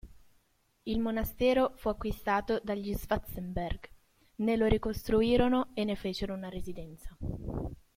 Il monastero fu acquistato dagli Schwarzenberg, ne lo ricostruirono e ne fecero una residenza.